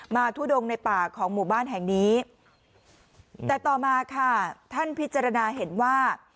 ทุดงในป่าของหมู่บ้านแห่งนี้แต่ต่อมาค่ะท่านพิจารณาเห็นว่า